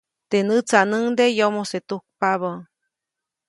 Teʼ nätsaʼnuŋde yomose tujkpabä.